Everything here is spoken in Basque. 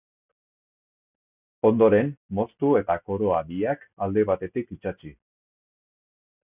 Ondoren, moztu eta koroa biak alde batetik itsatsi.